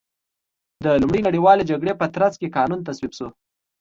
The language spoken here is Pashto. د لومړۍ نړیوالې جګړې په ترڅ کې قانون تصویب شو.